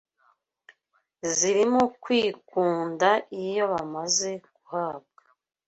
zirimo kwikunda Iyo bamaze guhabwa